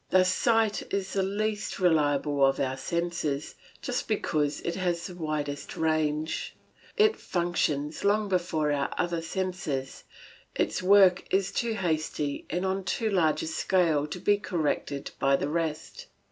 Thus sight is the least reliable of our senses, just because it has the widest range; it functions long before our other senses, and its work is too hasty and on too large a scale to be corrected by the rest.